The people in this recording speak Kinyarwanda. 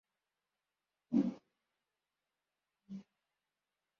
Abagabo batandatu bashyinguwe mu gituza cyabo mu mucanga